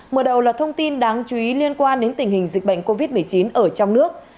mở đầu là thông tin đáng chú ý liên quan đến tình hình dịch bệnh covid một mươi chín ở trong nước